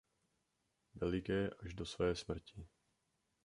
Veliké až do své smrti.